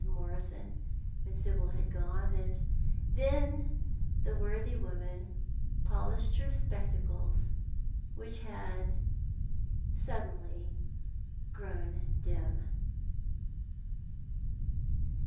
Morison, when Sibyl had gone; and then the worthy womau polished her spectacles, which had suddenly grown dim.